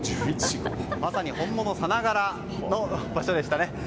まさに本物さながらの場所でしたね。